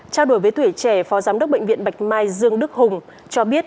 trao đổi với tuổi trẻ phó giám đốc bệnh viện bạch mai dương đức hùng cho biết